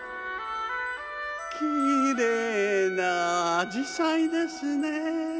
きれいなあじさいですね。